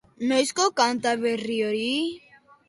Noizko kanta berri hori?